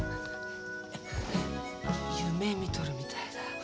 夢みとるみたいだ。